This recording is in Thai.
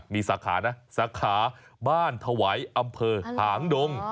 มีสาขานะสาขาบ้านถวายอำเภอหางดง